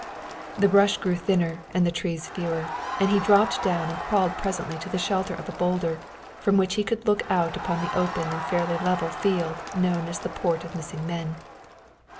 The brush grew thinner and the trees fewer, and he dropped down and crawled presently to the shelter of a boulder, from which he could look out upon the open and fairly level field known as the Port of Missing Men.